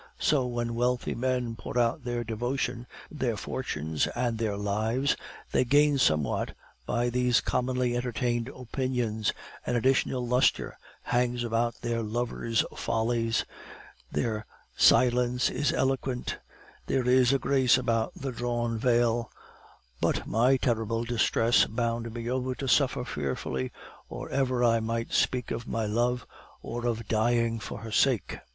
So when wealthy men pour out their devotion, their fortunes, and their lives, they gain somewhat by these commonly entertained opinions, an additional lustre hangs about their lovers' follies; their silence is eloquent; there is a grace about the drawn veil; but my terrible distress bound me over to suffer fearfully or ever I might speak of my love or of dying for her sake.